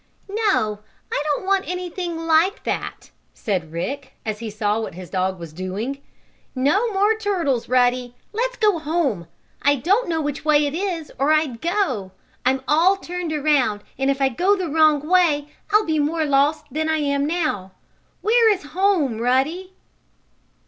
"No, I don't want anything like that!" said Rick, as he saw what his dog was doing. "No more turtles, Ruddy. Let's go home! I don't know which way it is, or I'd go. I'm all turned around, and if I go the wrong way I'll be more lost than I am now. Where is home, Ruddy?"